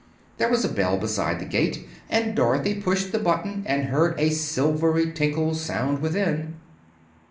There was a bell beside the gate, and Dorothy pushed the button and heard a silvery tinkle sound within.